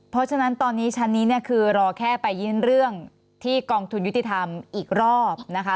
เพราะฉะนั้นตอนนี้ชั้นนี้เนี่ยคือรอแค่ไปยื่นเรื่องที่กองทุนยุติธรรมอีกรอบนะคะ